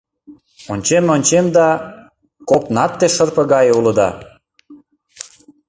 Ончем-ончем да — коктынат те шырпе гае улыда.